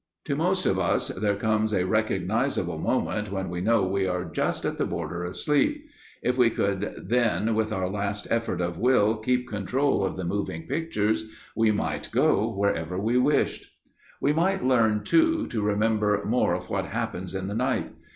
To most of us there comes a recognizable moment when we know we are just at the border of sleep; if we could then with our last effort of will keep control of the moving pictures we might go wherever we wished. We might learn, too, to remember more of what happens in the night.